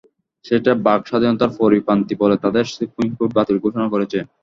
সেটা বাক স্বাধীনতার পরিপন্থী বলে তাদের সুপ্রিম কোর্ট বাতিল ঘোষণা করেছে।